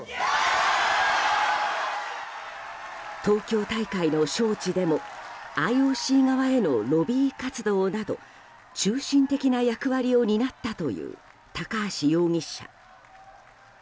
東京大会の招致でもＩＯＣ側へのロビー活動など中心的な役割を担ったという高橋容疑者。